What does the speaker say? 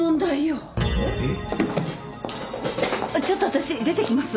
ちょっと私出てきます。